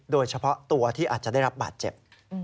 โดยเฉพาะตัวที่อาจจะได้รับบาดเจ็บ